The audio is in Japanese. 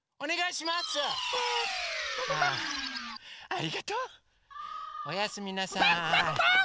ありがとう！おやすみなさい。